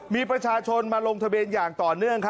มีประชาชนมาลงทะเบียนอย่างต่อเนื่อง